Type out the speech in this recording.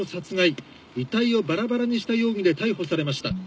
遺体をバラバラにした容疑で逮捕されました。